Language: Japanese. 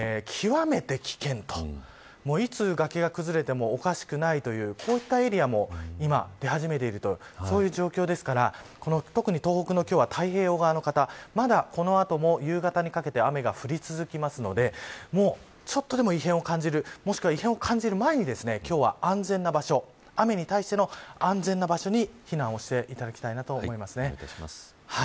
さらに、紫色の所は極めて危険といつ崖が崩れてもおかしくないというこういったエリアも今、出始めているそういう状況ですから特に、今日は東北の太平洋側の方まだこの後も夕方にかけて雨が降り続くのでちょっとでも異変を感じるもしくは、異変を感じる前に今日は安全な場所雨に対しての安全な場所に避難していただきたいと思います。